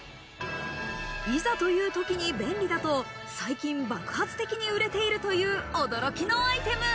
いざというときに便利だと、最近爆発的に売れているという驚きのアイテム。